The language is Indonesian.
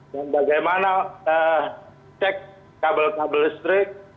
dan bagaimana cek kabel kabel listrik